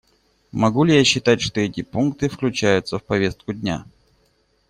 Могу ли я считать, что эти пункты включаются в повестку дня?